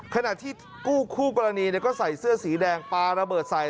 ขณะที่คู่กรณีก็ใส่เสื้อสีแดงปลาระเบิดใส่